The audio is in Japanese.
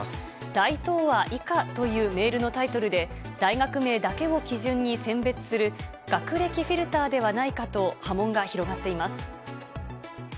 大東亜以下というメールのタイトルで、大学名だけを基準に選別する、学歴フィルターではないかと波紋が広がっています。